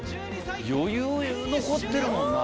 余裕残ってるもんな。